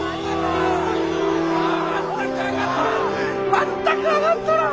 全く上がっとらん！